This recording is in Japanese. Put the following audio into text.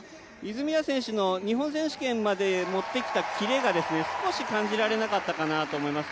泉谷選手の日本選手権まで持ってきたキレが少し感じられなかったかなと思います。